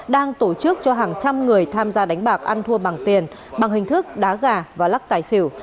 đang tổ chức cho hàng trăm người tham gia đánh bạc ăn thua bằng tiền bằng hình thức đá gà và lắc tài xỉu